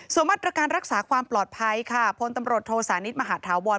ส่วนมาตรการรักษาความปลอดภัยค่ะพลตำรวจโทสานิทมหาธาวร